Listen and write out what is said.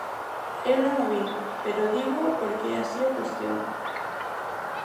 Eu non o vin, pero dígoo porque é así a cuestión.